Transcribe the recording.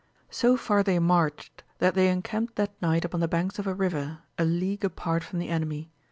So far they marched, that they encamped that night upon the banks of a river, a league apart from the enemy.